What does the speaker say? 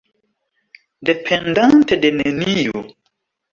Dependante de neniu!